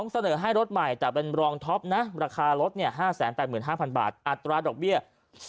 เสนอให้รถใหม่แต่เป็นรองท็อปนะราคารถ๕๘๕๐๐บาทอัตราดอกเบี้ย